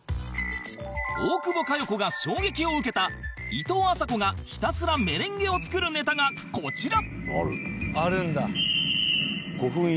大久保佳代子が衝撃を受けたいとうあさこがひたすらメレンゲを作るネタがこちら